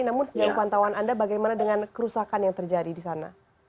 namun sejauh pantauan anda bagaimana dengan kerusakan yang terjadi di sana